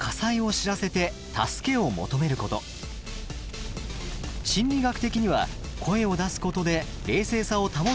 心理学的には声を出すことで冷静さを保つ効果もあるそうです。